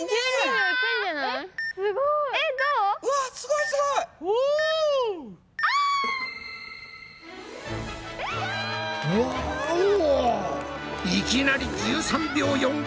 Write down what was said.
いきなり１３秒４５。